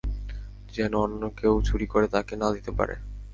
যেন অন্য কেউ চুরি করে তাকে না দিতে পারে।